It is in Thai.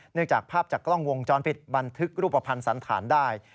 จากภาพจากกล้องวงจรปิดบันทึกรูปภัณฑ์สันฐานได้